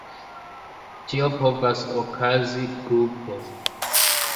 Tio povas okazi grupe.